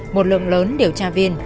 một lượng lớn điều tra viên